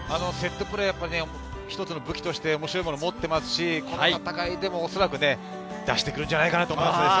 セットプレーは一つの武器として面白いもの持ってますし、この戦いでもおそらく出してくるんじゃないかなと思います。